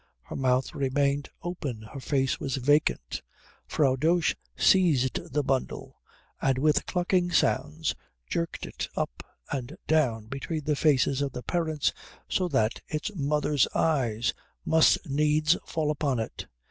Her mouth remained open; her face was vacant. Frau Dosch seized the bundle, and with clucking sounds jerked it up and down between the faces of the parents so that its mother's eyes must needs fall upon it.